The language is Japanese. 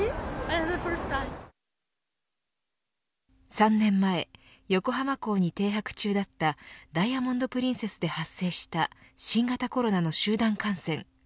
３年前、横浜港に停泊中だったダイヤモンド・プリンセスで発生した新型コロナの集団感染。